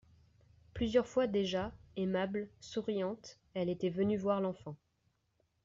Plusieurs fois déjà, aimable, souriante, elle était venue voir l'enfant.